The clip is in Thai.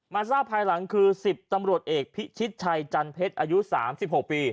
มาทราบภายหลังคือสิบตำรวจเอกพิชิตชัยจันทร์เพชรอายุสามสิบหกปี